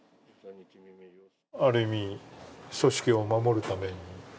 ある意味、組織を守るために？